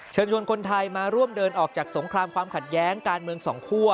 เชิญชวนคนไทยมาร่วมเดินออกจากสงครามความขัดแย้งการเมืองสองคั่ว